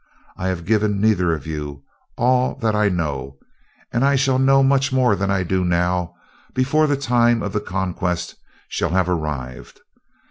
I have given neither of you all that I know, and I shall know much more than I do now, before the time of the conquest shall have arrived.